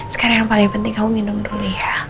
sekarang yang paling penting kamu minum dulu ya